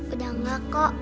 udah nggak kok